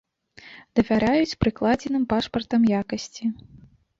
Давяраюць прыкладзеным пашпартам якасці.